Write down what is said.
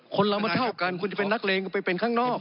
คนเรามันเท่ากันคุณจะเป็นนักเลงคุณไปเป็นข้างนอก